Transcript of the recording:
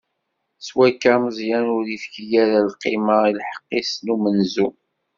S wakka, Meẓyan ur ifki ara lqima i lḥeqq-is n umenzu.